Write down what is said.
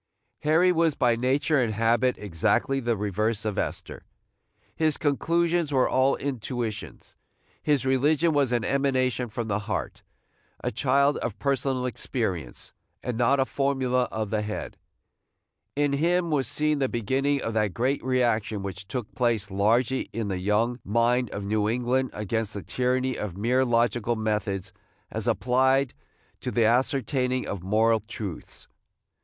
Harry was by nature and habit exactly the reverse of Esther. His conclusions were all intuitions. His religion was an emanation from the heart, a child of personal experience, and not a formula of the head. In him was seen the beginning of that great reaction which took place largely in the young mind of New England against the tyranny of mere logical methods as applied to the ascertaining of moral truths.